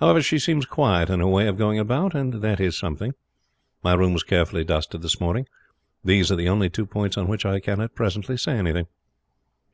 However, she seems quiet in her way of going about, and that is something. My room was carefully dusted this morning. These are the only two points on which I can at present say anything."